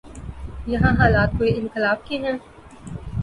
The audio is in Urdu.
یہاں حالات کوئی انقلاب کے ہیں؟